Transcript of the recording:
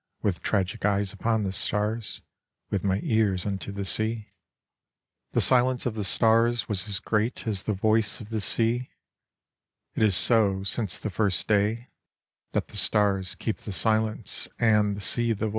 With tragic eyes upon the stars, With my ears unto the sea : The silence of the stars was as great As the voice of the' sea ; it is so Since the First day, that the stars Keep the silence and the sea the voice.